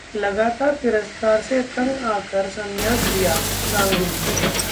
लगातार तिरस्कार से तंग आ कर संन्यास लिया: गांगुली